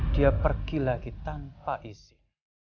dia pergi lagi tanpa isi